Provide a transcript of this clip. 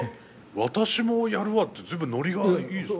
私もやるわって随分ノリがいいですね。